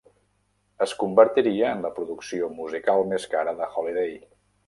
Es convertiria en la producció musical més cara de Holiday.